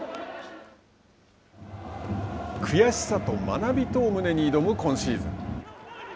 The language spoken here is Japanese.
悔しさと学びとを胸に挑む今シーズン。